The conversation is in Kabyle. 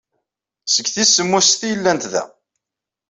Seg tis semmuset ay llant da.